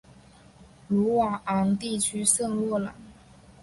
鲁瓦昂地区圣洛朗。